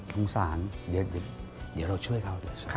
โขงสารเดี๋ยวเราช่วยเขา